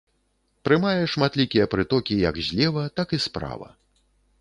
Прымае шматлікія прытокі як злева, так і справа.